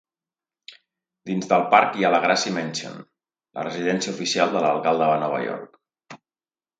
Dins del parc hi ha la Gracie Mansion, la residència oficial de l'alcalde de Nova York.